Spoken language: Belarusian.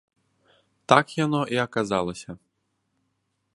Так яно і аказалася.